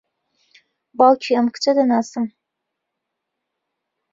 باوکی ئەم کچە دەناسم.